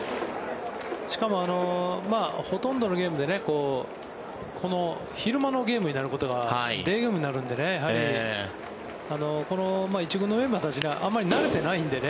しかもほとんどのゲームで昼間のゲームになることがデイゲームになるのでこの１軍のメンバーたちあまり慣れていないのでね。